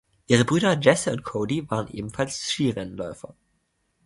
Ihre Brüder Jesse und Cody waren ebenfalls Skirennläufer.